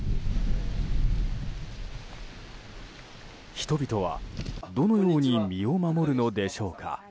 人々は、どのように身を守るのでしょうか。